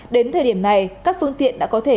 đến thời điểm này các phương tiện đã còn tìm hiểu